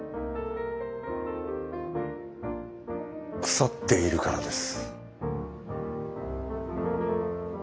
腐っているからです。